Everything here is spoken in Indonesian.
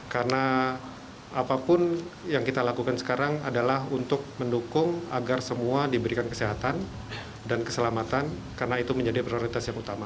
karena apapun yang kita lakukan sekarang adalah untuk mendukung agar semua diberikan kesehatan dan keselamatan karena itu menjadi prioritas yang utama